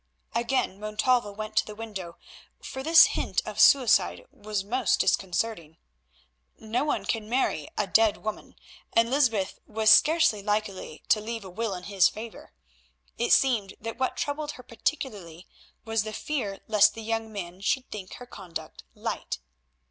Again Montalvo went to the window, for this hint of suicide was most disconcerting. No one can marry a dead woman, and Lysbeth was scarcely likely to leave a will in his favour. It seemed that what troubled her particularly was the fear lest the young man should think her conduct light.